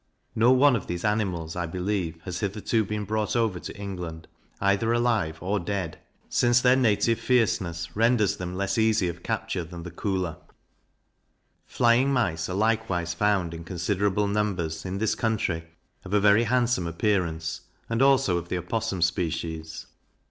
No one of these animals, I believe, has hitherto been brought over to England, either alive or dead, since their native fierceness renders them less easy of capture than the Koolah. Flying Mice are likewise found, in considerable numbers, in this country, of a very handsome appearance, and also of the Opossum species.